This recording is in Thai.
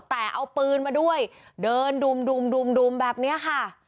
แต่เอาปืนมาด้วยเดินดุมดุมดุมดุมแบบเนี้ยค่ะ